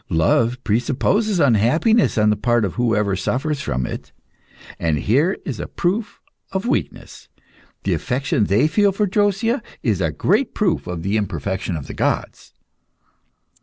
Love presupposes unhappiness on the part of whoever suffers from it, and is a proof of weakness. The affection they feel for Drosea is a great proof of the imperfection of the gods."